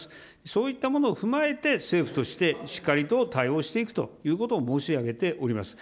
そういったものを踏まえて、政府としてしっかりと対応していくということを申し上げております。